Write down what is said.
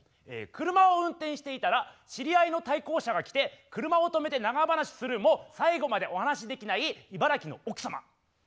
車を運転していたら知り合いの対向車が来て車を止めて長話するも最後までお話しできない茨城の奥様。